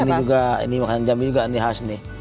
ada ini juga ini makanan jambi juga ini khas nih